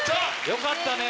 よかったね。